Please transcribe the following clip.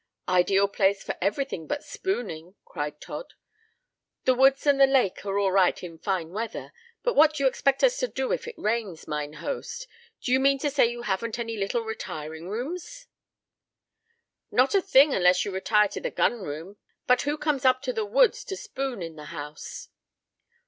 "Ideal place for everything but spooning," cried Todd. "The woods and the lake are all right in fine weather, but what do you expect us to do if it rains, mine host? D'you mean to say you haven't any little retiring rooms?" "Not a thing unless you retire to the gun room, but who comes up to the woods to spoon in the house?"